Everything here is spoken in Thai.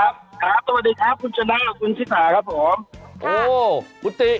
สวัสดีค่ะคุณชะนาคุณชิษาครับผม